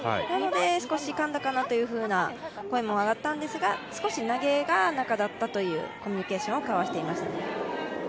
なので、少しかんだかなという声も上がったんですが、少し投げが中だったというコミュニケーションを交わしていました。